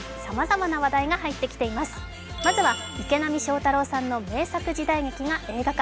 まずは池波正太郎さんの名作時代劇が映画化。